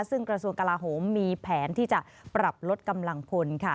ซึ่งกระทรวงกลาโหมมีแผนที่จะปรับลดกำลังพลค่ะ